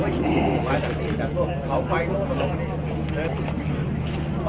เมืองอัศวินธรรมดาคือสถานที่สุดท้ายของเมืองอัศวินธรรมดา